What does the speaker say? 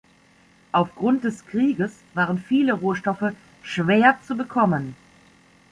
Aufgrund des Krieges waren viele Rohstoffe schwer zu bekommen.